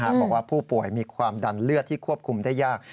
บอกว่าผู้ป่วยมีความดันเลือดที่ควบคุมได้ยาก